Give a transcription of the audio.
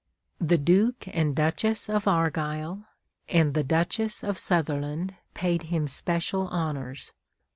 The Duke and Duchess of Argyle and the Duchess of Sutherland paid him special honors.